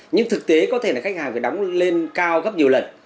nhưng thực tế có thể là khách hàng phải đóng lên cao gấp nhiều lần